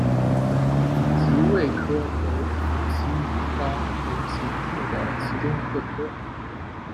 隐棘鳚科为辐鳍鱼纲鲈形目的其中一个科。